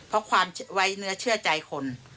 เพราะความไว้เนื้อเชื่อใจคน